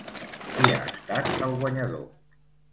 Qui ha estat el guanyador?